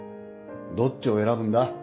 どっちを選ぶんだ？